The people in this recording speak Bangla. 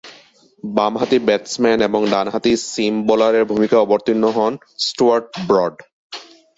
বামহাতি ব্যাটসম্যান এবং ডানহাতি সিম বোলারের ভূমিকায় অবতীর্ণ হন স্টুয়ার্ট ব্রড।